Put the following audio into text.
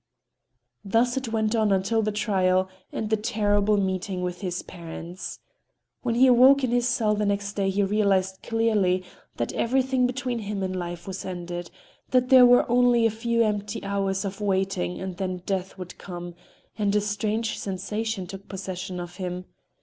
Thus it went on until the trial and the terrible meeting with his parents. When he awoke in his cell the next day he realized clearly that everything between him and life was ended, that there were only a few empty hours of waiting and then death would come,—and a strange sensation took possession of him.